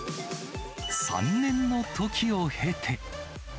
３年の時を経て。